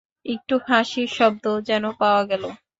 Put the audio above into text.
একটু হাসির শব্দও যেন পাওয়া গেল।